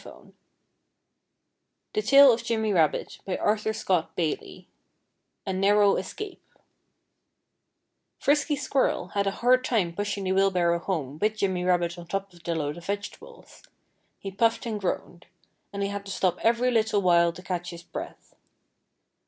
[Illustration: 6 A Narrow Escape] 6 A Narrow Escape Frisky Squirrel had a hard time pushing the wheelbarrow home with Jimmy Rabbit on top of the load of vegetables. He puffed and groaned. And he had to stop every little while to catch his breath.